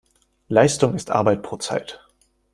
Leistung ist Arbeit pro Zeit.